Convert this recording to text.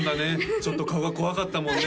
ちょっと顔が怖かったもんね